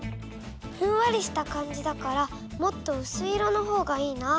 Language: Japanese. ふんわりした感じだからもっとうすい色のほうがいいな。